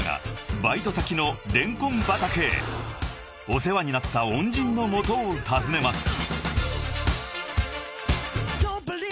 ［お世話になった恩人の元を訪ねます］